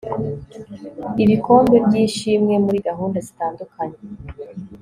ibikombe by'ishimwe muri gahunda zitandukanye